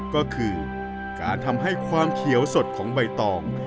ก็คือการทำให้ความเขียวสดของใบตอง